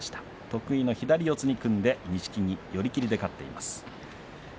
得意の左四つに組んで錦木寄り切りで勝っています。